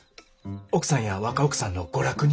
奥さんや若奥さんの娯楽に。